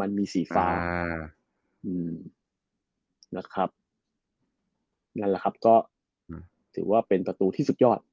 มันมีสีฟ้าอืมนะครับนั่นแหละครับก็ถือว่าเป็นประตูที่สุดยอด